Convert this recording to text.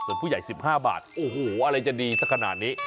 ส่วนผู้ใหญ่๑๕บาทโอ้โหอะไรจะดีสักขนาดนี้